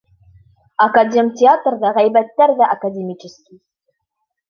Академтеатрҙа ғәйбәттәр ҙә академический!